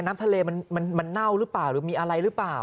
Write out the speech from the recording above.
น้ำทะเลมันเน่าหรือเปล่าหรือมีอะไรหรือเปล่า